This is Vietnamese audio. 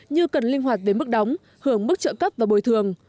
như cần linh hoạt về mức đóng hưởng mức trợ cấp và bồi thường